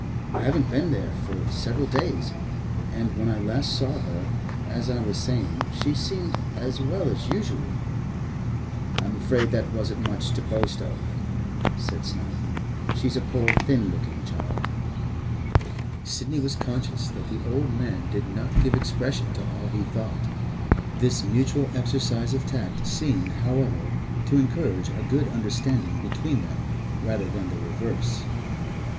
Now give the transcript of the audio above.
I haven't been there for several days, and when I last saw her, as I was saying, she seemed as well as usual.' 'I'm afraid that wasn't much to boast of,' said Snowdon. 'She's a poor, thin looking child.' Sidney was conscious that the old man did not give expression to all he thought. This mutual exercise of tact seemed, however, to encourage a good understanding between them rather than the reverse.